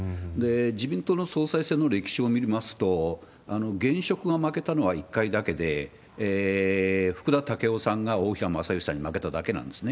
自民党の総裁選の歴史を見ますと、現職が負けたのは１回だけで、福田赳夫さんが大平まさよしさんに負けただけなんですね。